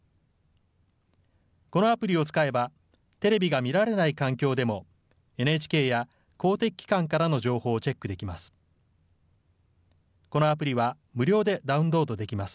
このアプリを使えばテレビが見られない環境でもＮＨＫや公的機関からの情報をチェックできます。